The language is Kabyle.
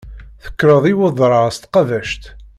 Tekkreḍ i wedrar s tqabact.